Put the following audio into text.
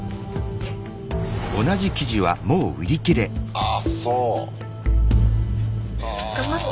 あっそう。